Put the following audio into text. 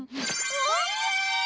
おいしい！